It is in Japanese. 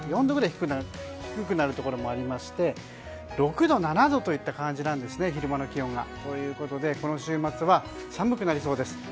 ４度くらい低くなるところもありまして６度、７度といった感じなんですね、昼間の気温が。ということでこの週末は寒くなりそうです。